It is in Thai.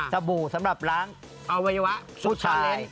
ตะบู่สำหรับล้างพุทธศัพท์